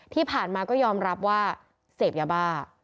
ที่ผ่านมาก็ยอมรับว่าเสพยาบ้า